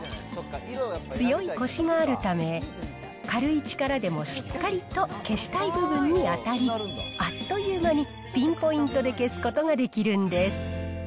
強いコシがあるため、軽い力でもしっかりと消したい部分に当たり、あっという間にピンポイントで消すことができるんです。